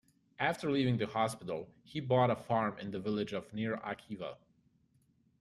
After leaving the hospital, he bought a farm in the village of Nir Akiva.